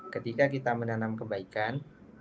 ketika kita menanam kebaikan